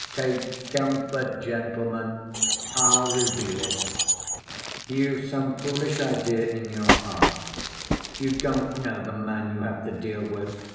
Take comfort, gentlemen, I'll reveal it. You've some foolish idea in your hearts. You don't know the man you have to deal with!